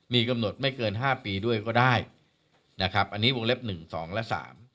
มีกำหนดไม่เกิน๕ปีด้วยก็ได้วงเล็บ๑๒และ๓